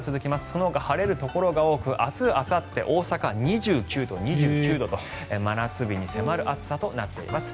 そのほか晴れるところが多く明日あさって大阪２９度、２９度と真夏日に迫る暑さとなっています。